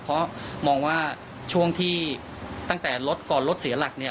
เพราะมองว่าช่วงที่ตั้งแต่รถก่อนรถเสียหลักเนี่ย